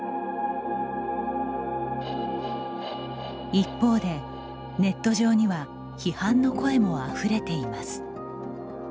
一方で、ネット上には批判の声もあふれています。